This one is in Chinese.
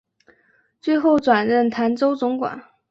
最后转任澶州总管。